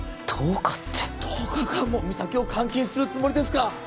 １０日って１０日間も実咲を監禁するつもりですか？